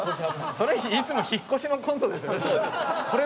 それいつも引っ越しのコントですよねそれ。